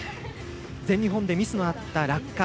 全日本でミスのあった落下。